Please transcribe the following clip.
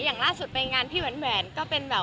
อย่างล่าสุดไปงานพี่แหวนก็เป็นแบบ